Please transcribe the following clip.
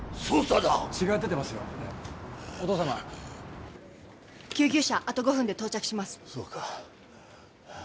そうか。